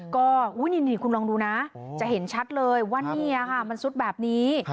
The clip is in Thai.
ก็คุณลองดูนะจะเห็นชัดเลยว่ามันซุดแบบนี้